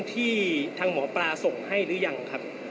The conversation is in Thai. ที่ทางหมอปลาส่งให้หรือยังครับ